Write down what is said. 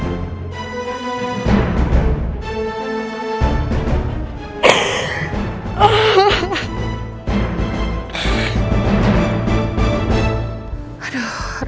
mama udah gak peduli